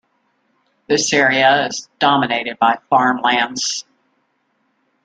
This area is dominated by farmlands.